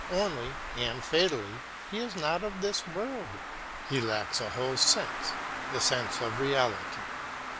Only, and fatally, he is not of this world. "He lacks a whole sense, the sense of reality."